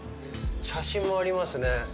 写真もありますね。